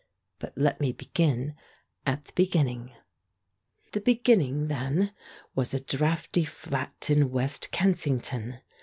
But let me begin at the be ginning! The beginning, then, was a draughty flat in West Kensington.